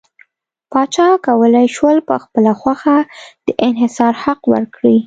پاچا کولای شول په خپله خوښه د انحصار حق ورکړي.